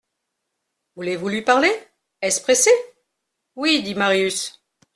Voulez-vous lui parler ? est-ce pressé ? Oui, dit Marius.